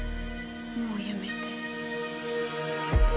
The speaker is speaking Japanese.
もうやめて」。